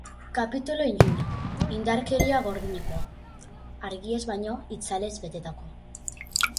Kapitulu iluna, indarkeria gordinekoa, argiez baino itzalez betetakoa.